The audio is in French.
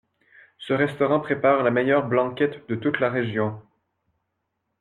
Ce restaurant prépare la meilleure blanquette de toute la région.